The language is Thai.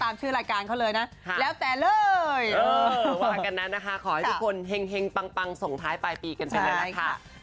มาจากไหนจุดไปซื้อ๘๕ไม่ได้ออกหรอก